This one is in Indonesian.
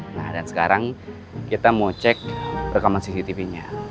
nah dan sekarang kita mau cek rekaman cctv nya